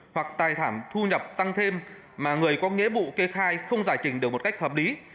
hoặc tài thảm thu nhập tăng thêm mà người có nghĩa vụ kê khai không giải trình được một cách hợp lý